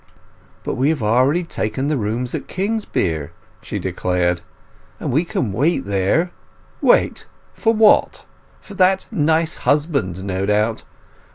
"But we have already taken the rooms at Kingsbere!" she declared. "And we can wait there—" "Wait—what for? For that nice husband, no doubt.